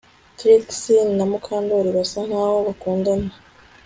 Trix na Mukandoli basa nkaho bakundana